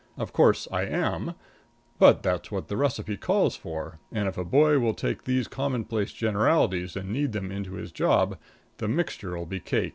Of course I am, but that's what the receipt calls for, and if a boy will take these commonplace generalities and knead them into his job, the mixture'll be cake.